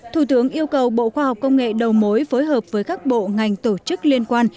thủ tướng yêu cầu bộ khoa học công nghệ đầu mối phối hợp với các bộ ngành tổ chức liên quan